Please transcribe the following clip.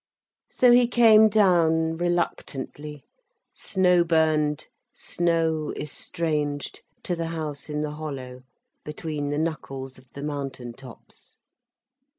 So he came down reluctantly, snow burned, snow estranged, to the house in the hollow, between the knuckles of the mountain tops.